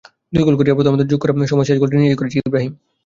দুই গোল করিয়ে প্রথমার্ধের যোগ করা সময়ে শেষ গোলটি নিজেই করেছেন ইব্রাহিম।